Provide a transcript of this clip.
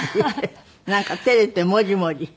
なんか照れてモジモジ。